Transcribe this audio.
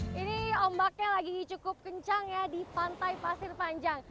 ini ombaknya lagi cukup kencang ya di pantai pasir panjang